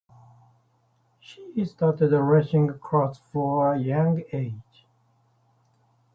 He started racing karts from a young age.